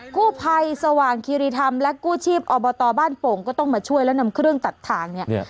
กู้ภัยสว่างคิริธรรมและกู้ชีพอบตบ้านโป่งก็ต้องมาช่วยแล้วนำเครื่องตัดทางเนี่ย